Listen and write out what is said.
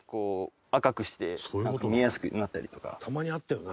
「たまにあったよな